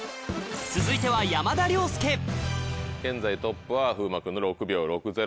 続いては現在トップは風磨君の６秒６０３。